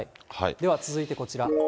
では続いて、こちら。